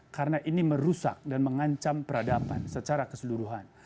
karena ini merusak dan mengancam peradaban secara keseluruhan